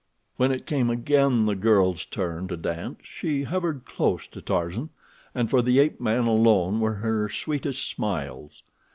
When it came again the girl's turn to dance she hovered close to Tarzan, and for the ape man alone were her sweetest smiles.